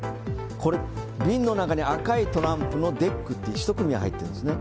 瓶の中に赤いトランプがデック１組、入ってるんですね。